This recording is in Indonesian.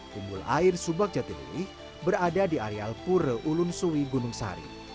kumpul air subak jatiluwe berada di areal pura ulun suwi gunung sari